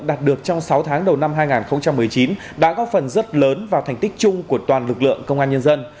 đạt được trong sáu tháng đầu năm hai nghìn một mươi chín đã góp phần rất lớn vào thành tích chung của toàn lực lượng công an nhân dân